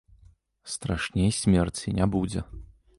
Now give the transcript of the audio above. Страшней смерці не будзе.